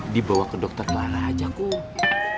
dibawa ke dokter clara aja kum